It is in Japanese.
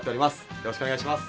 よろしくお願いします！